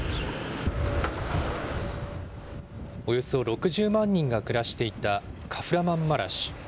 およそ６０万人が暮らしていたカフラマンマラシュ。